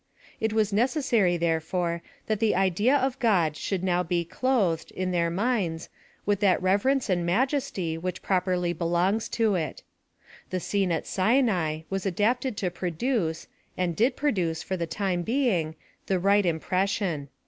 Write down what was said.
It v/as necessary, there fore, that the idea of God should now be clothed, in their minds, with that reverence and majesty which properly belongs to it. The scene at Sinai was adapted to produce, and did produce for the time being, the right impression.